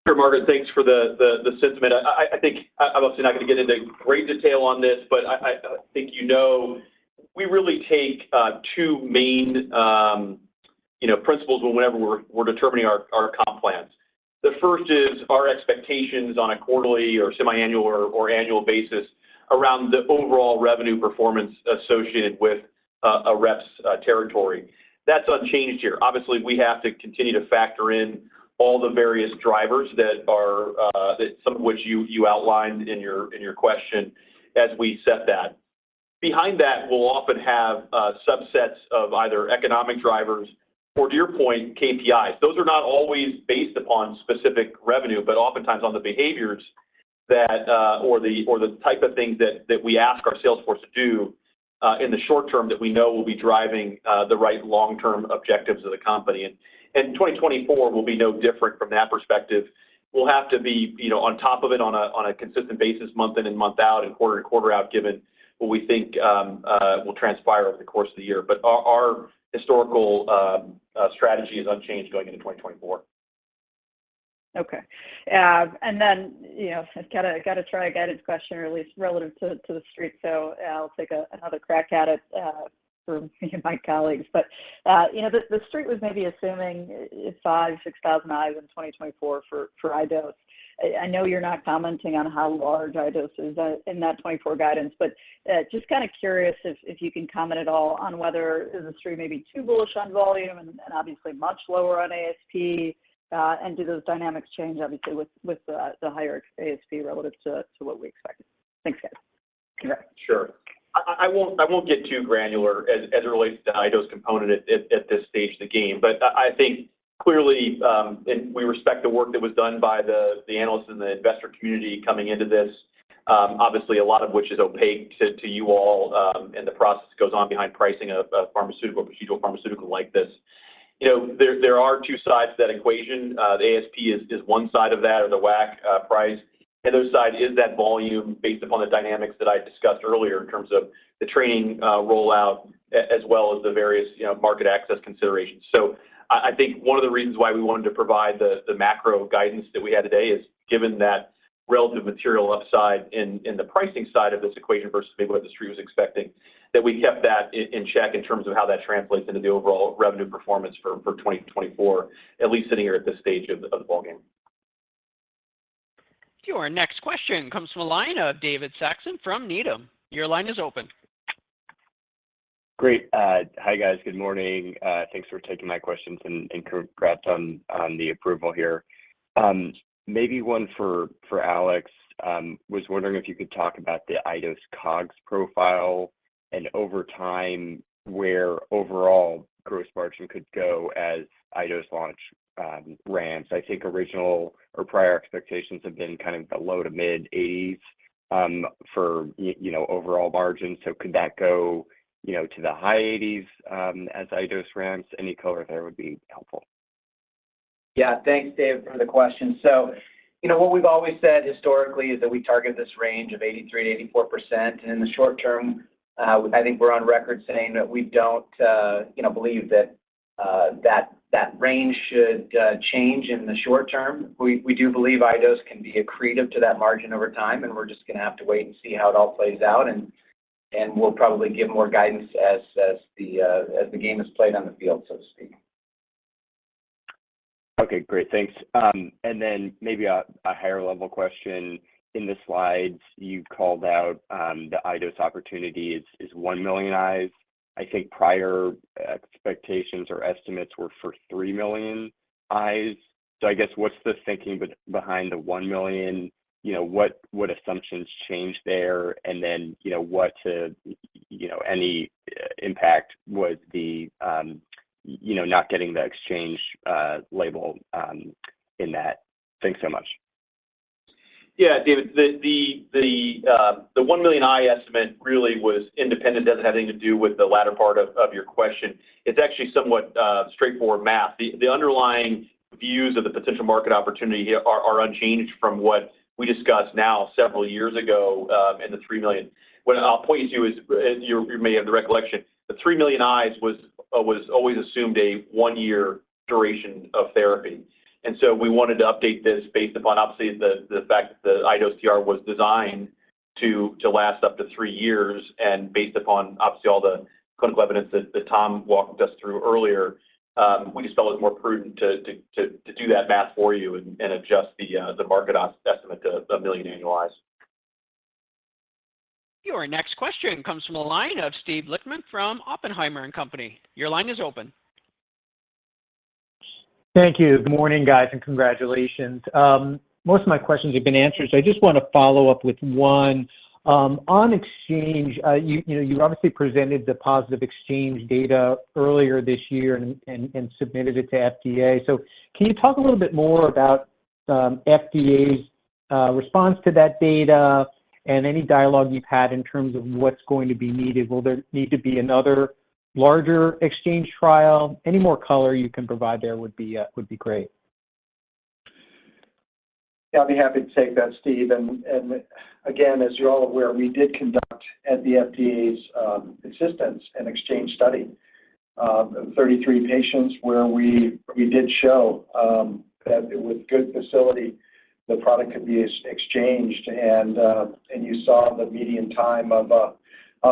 Thanks. Sure, Margaret, thanks for the sentiment. I think I'm obviously not going to get into great detail on this, but I think, you know, we really take two main, you know, principles whenever we're determining our comp plans. The first is our expectations on a quarterly or semiannual or annual basis around the overall revenue performance associated with a rep's territory. That's unchanged here. Obviously, we have to continue to factor in all the various drivers that some of which you outlined in your question as we set that. Behind that, we'll often have subsets of either economic drivers or, to your point, KPIs. Those are not always based upon specific revenue, but oftentimes on the behaviors that, or the type of things that we ask our sales force to do, in the short term that we know will be driving the right long-term objectives of the company. And 2024 will be no different from that perspective. We'll have to be, you know, on top of it on a consistent basis, month in and month out and quarter to quarter out, given what we think will transpire over the course of the year. But our historical strategy is unchanged going into 2024. Okay. And then, you know, I've got to try a guided question, or at least relative to the street. So I'll take another crack at it for me and my colleagues. But you know, the street was maybe assuming 5,000-6,000 eyes in 2024 for iDose. I know you're not commenting on how large iDose is in that 2024 guidance, but just kind of curious if you can comment at all on whether the street may be too bullish on volume and obviously much lower on ASP, and do those dynamics change obviously with the higher ASP relative to what we expect? Thanks, guys. Yeah, sure. I won't get too granular as it relates to the iDose component at this stage of the game. But I think clearly, and we respect the work that was done by the analysts and the investor community coming into this. Obviously, a lot of which is opaque to you all, and the process goes on behind pricing a pharmaceutical like this. You know, there are two sides to that equation. The ASP is one side of that or the WAC price. The other side is that volume based upon the dynamics that I discussed earlier in terms of the training rollout, as well as the various, you know, market access considerations. So, I think one of the reasons why we wanted to provide the macro guidance that we had today is given that relative material upside in the pricing side of this equation versus maybe what the street was expecting, that we kept that in check in terms of how that translates into the overall revenue performance for 2024, at least sitting here at this stage of the ballgame. Our next question comes from a line of David Saxon from Needham. Your line is open. Great. Hi, guys. Good morning. Thanks for taking my questions and congrats on the approval here. Maybe one for Alex. Was wondering if you could talk about the iDose COGS profile and over time, where overall gross margin could go as iDose launch ramps. I think original or prior expectations have been kind of the low to mid-80s, for you know, overall margins. So could that go, you know, to the high 80s, as iDose ramps? Any color there would be helpful. Yeah. Thanks, Dave, for the question. So, you know, what we've always said historically is that we target this range of 83%-84%, and in the short term, I think we're on record saying that we don't, you know, believe that, that, that range should change in the short term. We, we do believe iDose can be accretive to that margin over time, and we're just going to have to wait and see how it all plays out, and, and we'll probably give more guidance as, as the, as the game is played on the field, so to speak. Okay, great. Thanks. And then maybe a higher level question. In the slides, you called out the iDose opportunity is 1 million eyes. I think prior expectations or estimates were for 3 million eyes. So I guess what's the thinking behind the 1 million? You know, what assumptions changed there? And then, you know, what, you know, any impact would the, you know, not getting the exchange label in that? Thanks so much. Yeah, David, the 1 million eye estimate really was independent, doesn't have anything to do with the latter part of your question. It's actually somewhat straightforward math. The underlying views of the potential market opportunity here are unchanged from what we discussed now several years ago in the 3 million. What I'll point you to is, and you may have the recollection, the 3 million eyes was always assumed a 1-year duration of therapy. And so we wanted to update this based upon obviously the fact that the iDose TR was designed to last up to three years, and based upon obviously all the clinical evidence that Tom walked us through earlier, we just felt it was more prudent to do that math for you and adjust the market estimate to a million annualized. Your next question comes from the line of Steve Lichtman from Oppenheimer and Company. Your line is open. Thank you. Good morning, guys, and congratulations. Most of my questions have been answered, so I just want to follow up with one. On exchange, you know, you obviously presented the positive exchange data earlier this year and submitted it to FDA. So can you talk a little bit more about FDA's response to that data and any dialogue you've had in terms of what's going to be needed? Will there need to be another larger exchange trial? Any more color you can provide there would be great. Yeah, I'd be happy to take that, Steve. And again, as you're all aware, we did conduct at the FDA's assistance, an exchange study of 33 patients where we did show that with good facility, the product could be exchanged. And you saw the median time of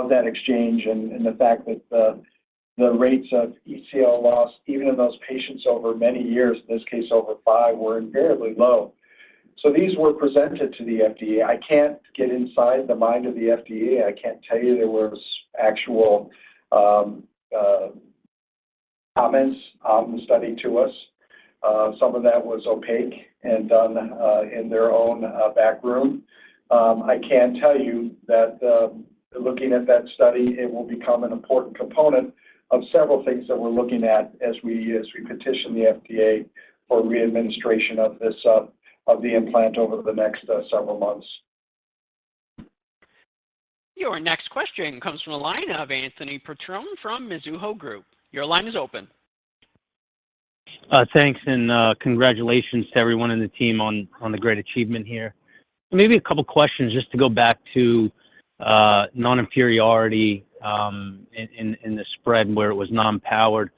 that exchange and the fact that the rates of ECL loss, even in those patients over many years, in this case, over five, were invariably low. So these were presented to the FDA. I can't get inside the mind of the FDA. I can't tell you there was actual comments on the study to us. Some of that was opaque and done in their own back room. I can tell you that, looking at that study, it will become an important component of several things that we're looking at as we petition the FDA for re-administration of the implant over the next several months. Your next question comes from the line of Anthony Petrone from Mizuho Group. Your line is open. Thanks, and congratulations to everyone in the team on the great achievement here. Maybe a couple questions just to go back to non-inferiority in the spread where it was non-powered.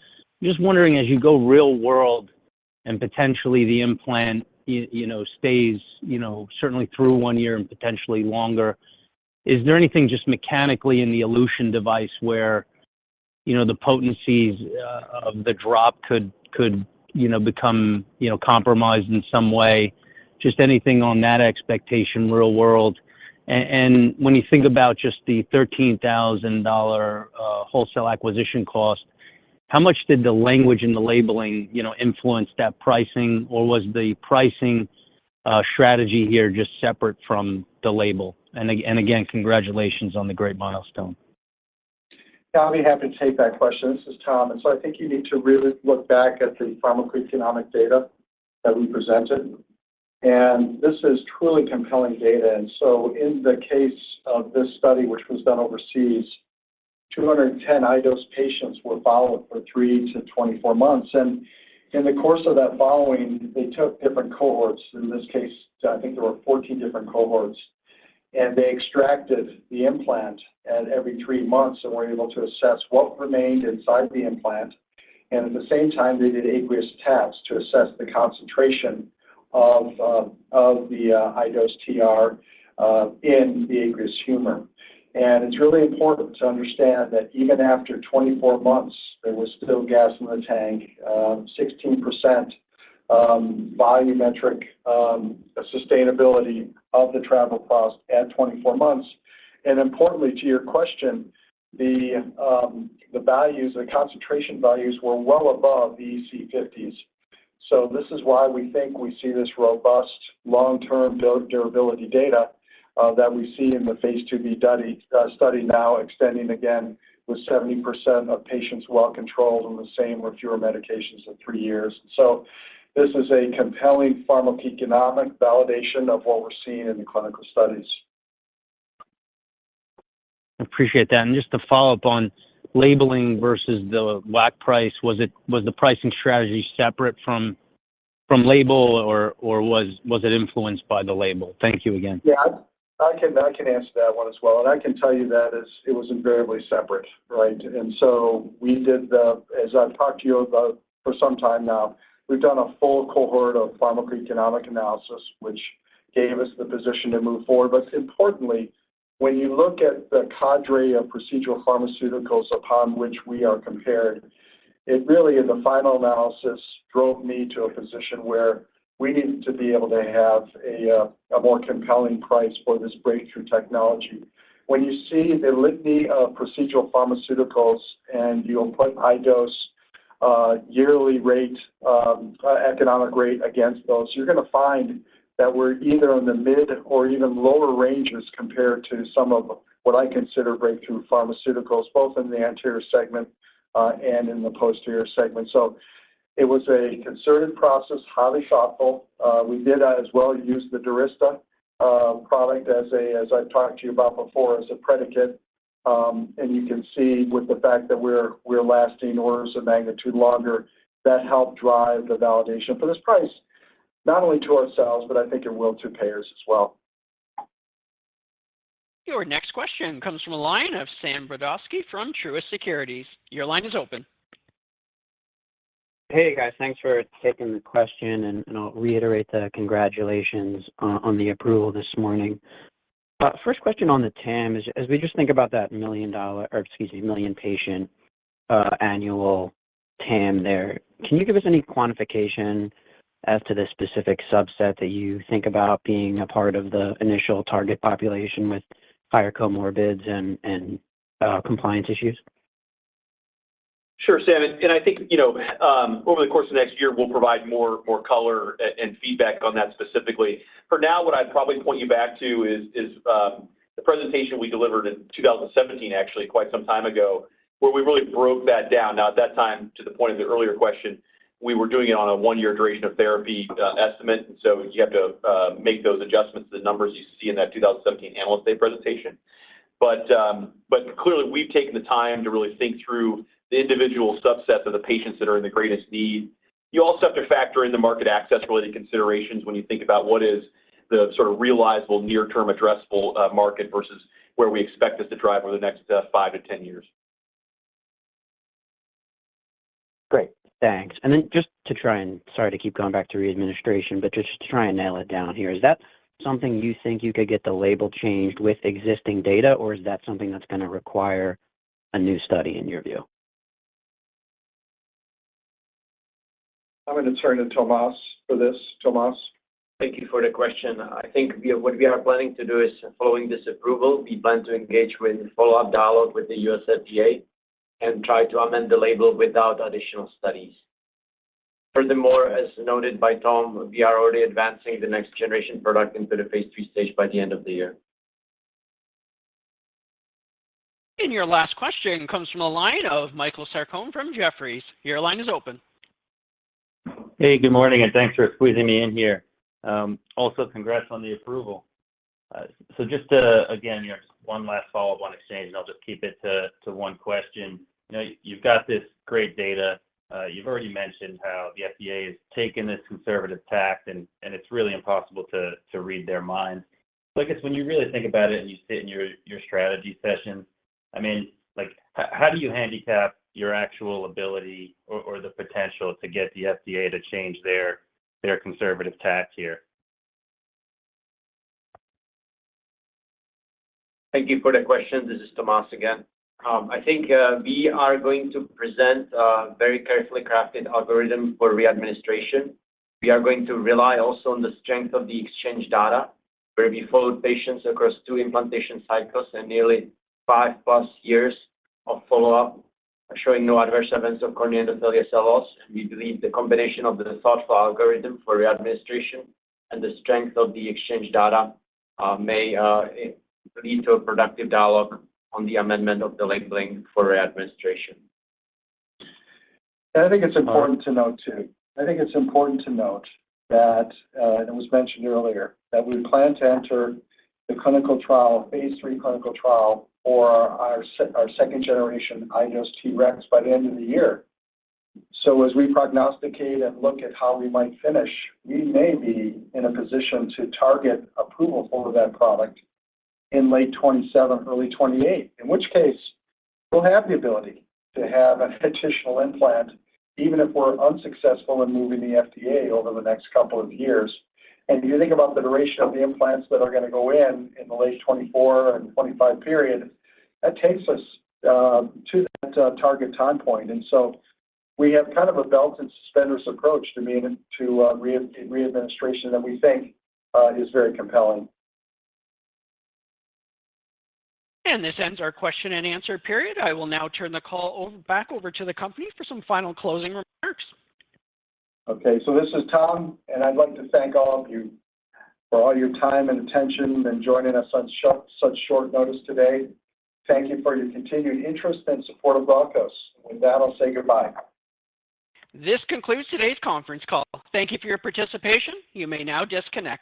Just wondering, as you go real world and potentially the implant, you know, stays, you know, certainly through one year and potentially longer, is there anything just mechanically in the elution device where, you know, the potencies of the drop could become compromised in some way? Just anything on that expectation, real world. And when you think about just the $13,000 wholesale acquisition cost, how much did the language in the labeling influence that pricing, or was the pricing strategy here just separate from the label? And again, congratulations on the great milestone. Yeah, I'll be happy to take that question. This is Tom. And so I think you need to really look back at the pharmacoeconomic data that we presented, and this is truly compelling data. And so in the case of this study, which was done overseas. 210 iDose TR patients were followed for three to 24 months. And in the course of that following, they took different cohorts. In this case, I think there were 14 different cohorts. And they extracted the implant at every three months and were able to assess what remained inside the implant. And at the same time, they did aqueous taps to assess the concentration of iDose TR in the aqueous humor. It's really important to understand that even after 24 months, there was still gas in the tank, 16% volumetric sustainability of the travoprost at 24 months. Importantly to your question, the values, the concentration values were well above the EC50s. So this is why we think we see this robust, long-term durability data that we see in the Phase 2B study, study now extending again, with 70% of patients well controlled on the same or fewer medications in three years. This is a compelling pharmacoeconomic validation of what we're seeing in the clinical studies. Appreciate that. And just to follow up on labeling versus the WAC price, was the pricing strategy separate from label or was it influenced by the label? Thank you again. Yeah, I can answer that one as well, and I can tell you that it was invariably separate, right? And so we did the... as I've talked to you about for some time now, we've done a full cohort of pharmacoeconomic analysis, which gave us the position to move forward. But importantly, when you look at the cadre of procedural pharmaceuticals upon which we are compared, it really, in the final analysis, drove me to a position where we needed to be able to have a more compelling price for this breakthrough technology. When you see the litany of procedural pharmaceuticals and you'll put iDose yearly rate, economic rate against those, you're gonna find that we're either in the mid or even lower ranges compared to some of what I consider breakthrough pharmaceuticals, both in the anterior segment, and in the posterior segment. So it was a concerted process, highly thoughtful. We did as well use the Durysta product as I've talked to you about before, as a predicate. And you can see with the fact that we're, we're lasting orders of magnitude longer, that helped drive the validation for this price, not only to ourselves, but I think it will to payers as well. Your next question comes from a line of Sam Brodovsky from Truist Securities. Your line is open. Hey, guys. Thanks for taking the question, and I'll reiterate the congratulations on the approval this morning. First question on the TAM is, as we just think about that million dollar, or excuse me, million patient, annual TAM there, can you give us any quantification as to the specific subset that you think about being a part of the initial target population with higher comorbidities and compliance issues? Sure, Sam, and I think, you know, over the course of next year, we'll provide more color and feedback on that specifically. For now, what I'd probably point you back to is the presentation we delivered in 2017, actually quite some time ago, where we really broke that down. Now, at that time, to the point of the earlier question, we were doing it on a one-year duration of therapy estimate, and so you have to make those adjustments to the numbers you see in that 2017 Analyst Day presentation. But clearly, we've taken the time to really think through the individual subsets of the patients that are in the greatest need. You also have to factor in the market access-related considerations when you think about what is the sort of realizable, near-term addressable, market versus where we expect this to drive over the next, five to 10 years. Great, thanks. And then just to try and... sorry to keep going back to re-administration, but just to try and nail it down here, is that something you think you could get the label changed with existing data, or is that something that's gonna require a new study in your view? I'm gonna turn to Tomas for this. Tomas? Thank you for the question. I think we, what we are planning to do is, following this approval, we plan to engage with follow-up dialogue with the U.S. FDA and try to amend the label without additional studies. Furthermore, as noted by Tom, we are already advancing the next generation product into the Phase 3 stage by the end of the year. And your last question comes from the line of Michael Sarcone from Jefferies. Your line is open. Hey, good morning, and thanks for squeezing me in here. Also congrats on the approval. So just to, again, you know, just one last follow-up, one exchange, and I'll just keep it to, to one question. You know, you've got this great data. You've already mentioned how the FDA has taken this conservative tack and, and it's really impossible to, to read their minds. So I guess when you really think about it, and you sit in your, your strategy sessions, I mean, like, how do you handicap your actual ability or, or the potential to get the FDA to change their, their conservative tack here? Thank you for the question. This is Tomas again. I think we are going to present a very carefully crafted algorithm for re-administration. We are going to rely also on the strength of the exchange data, where we followed patients across two implantation cycles and nearly five-plus years of follow-up, showing no adverse events of corneal endothelial cells. We believe the combination of the thoughtful algorithm for re-administration and the strength of the exchange data may lead to a productive dialogue on the amendment of the labeling for re-administration. I think it's important to note, too. I think it's important to note that, and it was mentioned earlier, that we plan to enter the clinical trial, phase three clinical trial for our our second generation iDose TREX by the end of the year. So as we prognosticate and look at how we might finish, we may be in a position to target approval for that product in late 2027, early 2028. In which case, we'll have the ability to have an additional implant, even if we're unsuccessful in moving the FDA over the next couple of years. And if you think about the duration of the implants that are gonna go in in the late 2024 and 2025 period, that takes us to that target time point. And so we have kind of a belt and suspenders approach to re-administration that we think is very compelling. This ends our question and answer period. I will now turn the call over to the company for some final closing remarks. Okay, so this is Tom, and I'd like to thank all of you for all your time and attention and joining us on such short notice today. Thank you for your continued interest and support of Glaukos. With that, I'll say goodbye. This concludes today's conference call. Thank you for your participation. You may now disconnect.